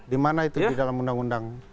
di mana itu di dalam undang undang